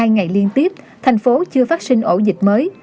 hai ngày liên tiếp thành phố chưa phát sinh ổ dịch mới